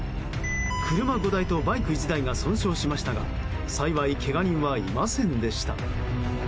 車５台とバイク１台が損傷しましたが幸い、けが人はいませんでした。